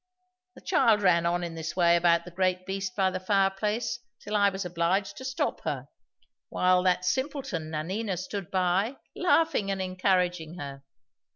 The child ran on in this way about the great beast by the fireplace, till I was obliged to stop her; while that simpleton Nanina stood by, laughing and encouraging her.